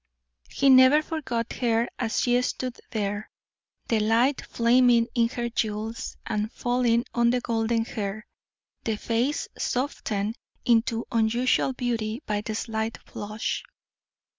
He never forgot her as she stood there, the light flaming in her jewels and falling on the golden hair, the face softened into unusual beauty by the slight flush.